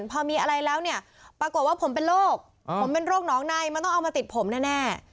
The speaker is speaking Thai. พอมีอะไรแล้วเนี่ยปรากฏว่าผมเป็นโรคผมเป็นโรคหนองในมันต้องเอามาติดผมแน่